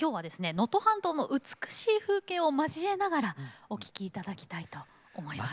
能登半島の美しい風景を交えながらお聴きいただきたいと思います。